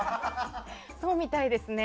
そうみたいですね。